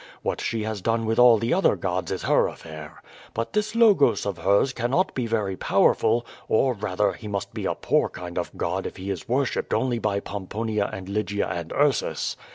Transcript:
What she has done with all the other gods is her affair. But this Logos of hers cannot be very powerful, or. I02 Q^O VADTS. rather, he must be a poor kind of a God if He is worshipped only by Pomponia and Lygia and Ursus.